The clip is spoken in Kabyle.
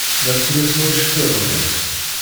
La ttlusuɣ iceṭṭiḍen-iw.